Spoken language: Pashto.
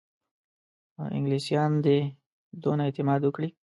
انګلیسیان دي دونه اعتماد وکړي.